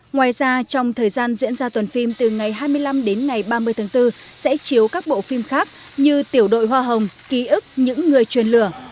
ngoài ra trong thời gian diễn ra tuần phim từ ngày hai mươi năm đến ngày ba mươi tháng bốn sẽ chiếu các bộ phim khác như tiểu đội hoa hồng ký ức những người truyền lửa